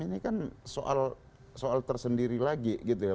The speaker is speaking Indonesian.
ini kan soal tersendiri lagi gitu ya